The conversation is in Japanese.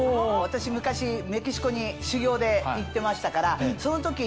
私昔メキシコに修業で行ってましたからその時に。